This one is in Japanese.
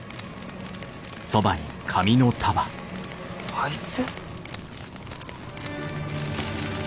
あいつ。